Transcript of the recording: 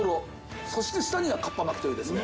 そして下にはかっぱ巻きというですね。